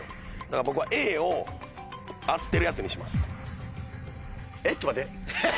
だから僕はＡを合ってるやつにします。